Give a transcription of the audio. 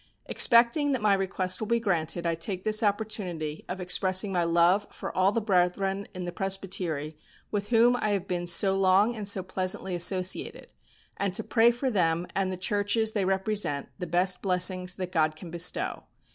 Expecting that my request will be granted I take this opportunity of expressing my love for all the brethren in the Presbytery with whom I have been so long and so pleasantly associated, and to pray for them and the churches they represent the best blessings that God can bestow.